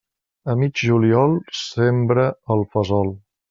A mig juliol sembra el fesol.